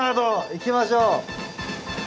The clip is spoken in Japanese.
行きましょう。